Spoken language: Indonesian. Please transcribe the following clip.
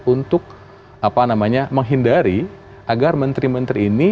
untuk menghindari agar menteri menteri ini